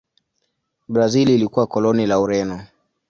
Brazil ilikuwa koloni la Ureno.